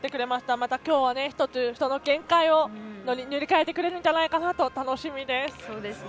また１つきょうはその限界を塗り替えてくれるんじゃないかと楽しみです。